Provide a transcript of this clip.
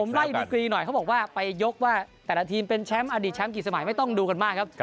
ไล่ดีกรีหน่อยเขาบอกว่าไปยกว่าแต่ละทีมเป็นแชมป์อดีตแชมป์กี่สมัยไม่ต้องดูกันมากครับ